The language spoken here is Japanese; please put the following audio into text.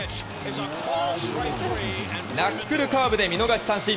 ナックルカーブで見逃し三振！